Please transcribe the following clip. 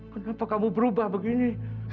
kenapa kamu berubah begini